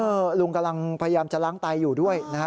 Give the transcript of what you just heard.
ลุงกำลังพยายามจะล้างไตอยู่ด้วยนะฮะ